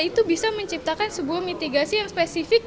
itu bisa menciptakan sebuah mitigasi yang spesifik